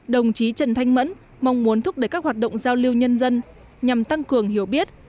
đồng chí trần thanh mẫn mong muốn thúc đẩy các hoạt động giao lưu nhân dân nhằm tăng cường hiểu biết